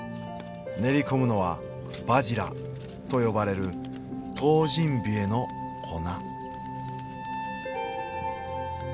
練り込むのはバジラと呼ばれるトウジンビエの粉。